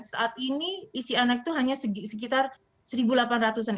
saat ini isi anak itu hanya sekitar satu delapan ratus an